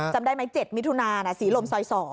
จำได้ไหม๗มิถุนาศรีลมซอย๒